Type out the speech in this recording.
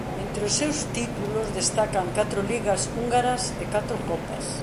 Entre os seus títulos destacan catro ligas húngaras e catro copas.